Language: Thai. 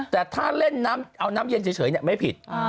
แต่ถ้าเล่นน้ำเอาน้ำเย็นเฉยไม่ผิด